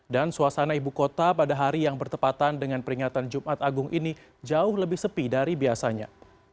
dan suasana ibu kota pada hari yang bertepatan dengan peringatan jumat agung ini jauh lebih sepi dari biasanya